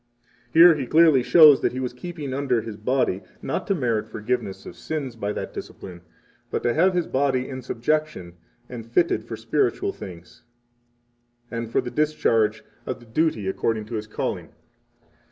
38 Here he clearly shows that he was keeping under his body, not to merit forgiveness of sins by that discipline, but to have his body in subjection and fitted for spiritual things, and for the discharge of duty according 39 to his calling.